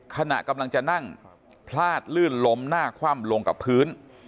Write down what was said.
ขณะกำลังจะนั่งพลาดลื่นล้มหน้าคว่ำลงกับพื้น